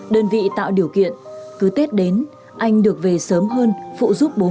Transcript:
đơn vị tạo điều kiện cứ tết đến anh được về sớm hơn phụ giúp bố mẹ